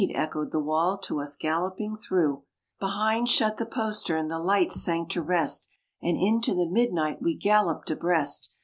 echoed the wall to us galloping through; Behind shut the postern, the lights sank to rest, And into the midnight we galloped abreast.